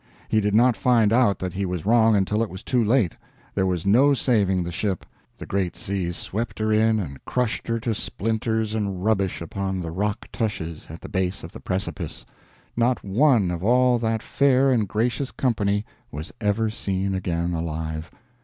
He did not find out that he was wrong until it was too late. There was no saving the ship. The great seas swept her in and crushed her to splinters and rubbish upon the rock tushes at the base of the precipice. Not one of all that fair and gracious company was ever seen again alive.